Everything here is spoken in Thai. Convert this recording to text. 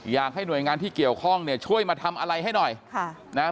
อยากให้หน่วยงานที่เกี่ยวข้องเนี่ยช่วยมาทำอะไรให้หน่อยค่ะนะฮะ